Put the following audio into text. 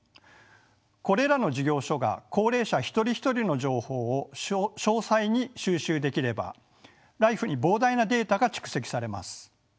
これらの事業所が高齢者一人一人の情報を詳細に収集できればＬＩＦＥに膨大なデータが蓄積されます。